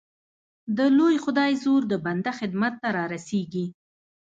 د لوی خدای زور د بنده خدمت ته را رسېږي.